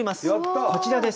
こちらです。